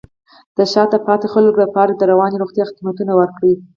د شاته پاتې خلکو لپاره د رواني روغتیا خدمتونه ورکړئ.